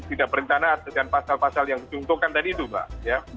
tidak perintahkan pasal pasal yang diunggukan tadi itu mbak